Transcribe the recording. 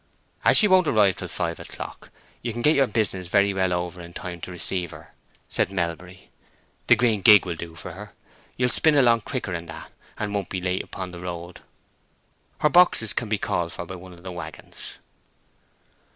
"As she won't arrive till five o'clock, you can get your business very well over in time to receive her," said Melbury. "The green gig will do for her; you'll spin along quicker with that, and won't be late upon the road. Her boxes can be called for by one of the wagons."